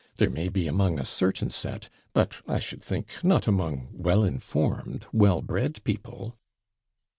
There may be among a certain set; but, I should think, not among well informed, well bred people.'